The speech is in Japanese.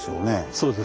そうです。